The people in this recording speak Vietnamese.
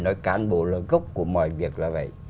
nói cán bộ là gốc của mọi việc là vậy